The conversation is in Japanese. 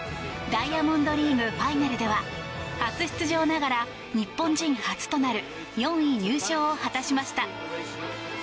ダイヤモンドリーグ・ファイナルでは初出場ながら日本人初となる４位入賞を果たしました。